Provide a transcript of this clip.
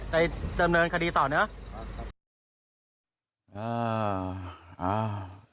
ไปดำเนินคดีต่อเนอะ